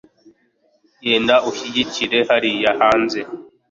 genda ushyigikire hariya hanze